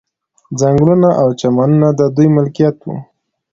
ځنګلونه او چمنونه د دوی ملکیت وو.